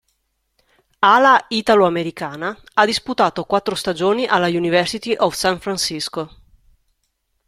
Ala italo-americana, ha disputato quattro stagioni alla University of San Francisco.